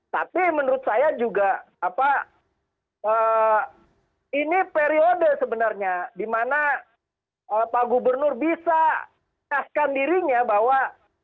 tapi menurut saya juga ini periode sebenarnya di mana pak gubernur bisa kaskan dirinya bahwa